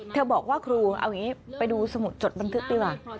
บอกว่าครูเอาอย่างนี้ไปดูสมุดจดบันทึกดีกว่า